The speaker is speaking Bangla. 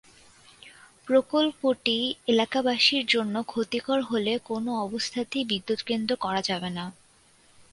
প্রকল্পটি এলাকাবাসীর জন্য ক্ষতিকর হলে কোনো অবস্থাতেই বিদ্যুৎকেন্দ্র করা যাবে না।